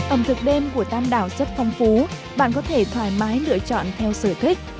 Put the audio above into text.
ẩm thực đêm của tam đảo rất phong phú bạn có thể thoải mái lựa chọn theo sở thích